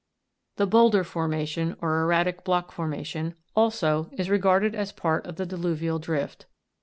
36. The BOULDER 'FORMATION, or ERRATIC BLOCK FORMATION, also, is regarded as a part of the diluvial drift.